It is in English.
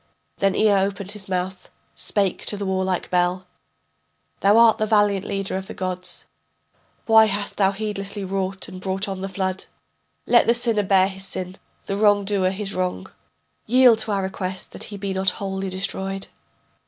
Then Ea opened his mouth, Spake to the warlike Bel: Thou art the valiant leader of the gods, Why hast thou heedlessly wrought, and brought on the flood? Let the sinner bear his sin, the wrongdoer his wrong; Yield to our request, that he be not wholly destroyed.